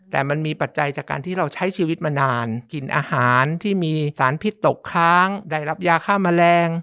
แต่มันมีปัจจัยจากการที่เราใช้ชีวิตมานานกินอาหารที่มีสารพิษตกค้างได้รับยาฆ่าแมลง